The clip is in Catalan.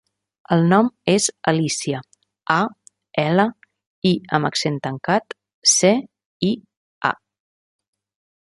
El nom és Alícia: a, ela, i amb accent tancat, ce, i, a.